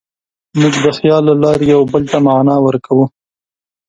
موږ د خیال له لارې یوه بل ته معنی ورکوو.